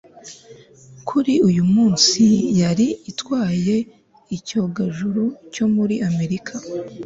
kuri uyu munsi yari itwaye icyogajuru cyo muri amerika